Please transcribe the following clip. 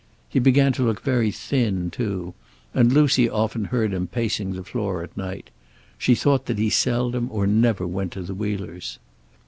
He began to look very thin, too, and Lucy often heard him pacing the floor at night. She thought that he seldom or never went to the Wheelers'.